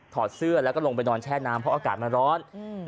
อดเสื้อแล้วก็ลงไปนอนแช่น้ำเพราะอากาศมันร้อน